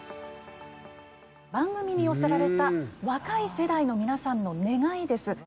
番組に寄せられた若い世代の皆さんの願いです。